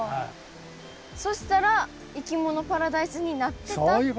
そしたらいきものパラダイスになってたっていう。